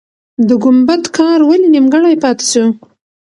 د ګمبد کار ولې نیمګړی پاتې سو؟